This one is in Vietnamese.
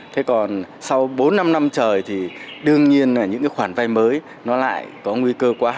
thế còn sau bốn năm năm trời thì đương nhiên là những cái khoản vay mới nó lại có nguy cơ quá hạn